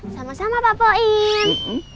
sama sama pak boim